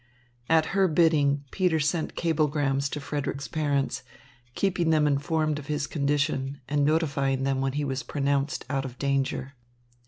At her bidding Peter sent cablegrams to Frederick's parents, keeping them informed of his condition, and notifying them when he was pronounced out of danger.